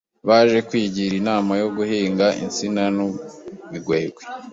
Baje kwigira inama yo guhinga insina n’imigwegwe